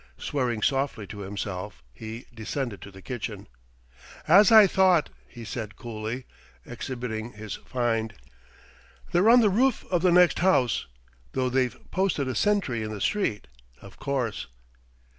Swearing softly to himself, he descended to the kitchen. "As I thought," he said coolly, exhibiting his find. "They're on the roof of the next house though they've posted a sentry in the street, of course."